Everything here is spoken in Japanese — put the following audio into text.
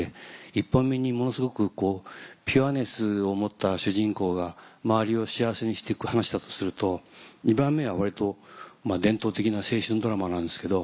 １本目にものすごくピュアネスを持った主人公が周りを幸せにして行く話だとすると２番目は割と伝統的な青春ドラマなんですけど。